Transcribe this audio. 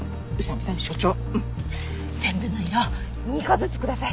全部の色２個ずつください。